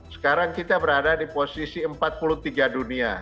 sekarang kita berada di posisi empat puluh tiga dunia